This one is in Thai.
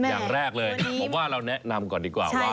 อย่างแรกเลยผมว่าเราแนะนำก่อนดีกว่าว่า